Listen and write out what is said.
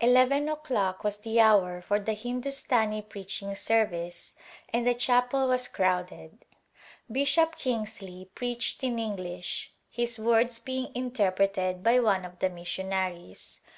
Eleven o'clock was the hour for the Hindustani preaching service and the chapel was crowded. Bishop Kingsley preached in English, his words being interpre ted by one of the missionaries.